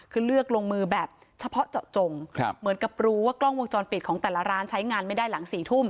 คือเลือกลงมือแบบเฉพาะเจาะจงเหมือนกับรู้ว่ากล้องวงจรปิดของแต่ละร้านใช้งานไม่ได้หลัง๔ทุ่ม